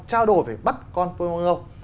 trao đổi về bắt con pokemon go